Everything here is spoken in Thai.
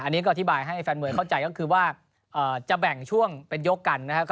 อันนี้ก็อธิบายให้แฟนมวยเข้าใจก็คือว่าจะแบ่งช่วงเป็นยกกันนะครับ